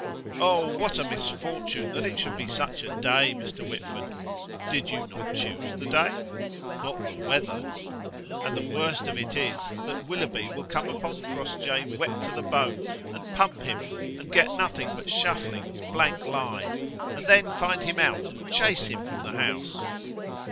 "Oh! what a misfortune that it should be such a day, Mr. Whitford!" "Did you not choose the day?" "Not the weather." "And the worst of it is, that Willoughby will come upon Crossjay wet to the bone, and pump him and get nothing but shufflings, blank lies, and then find him out and chase him from the house."